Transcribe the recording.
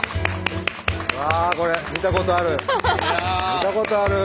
見たことある。